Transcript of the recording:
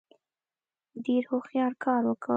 ډېر هوښیار کار وکړ.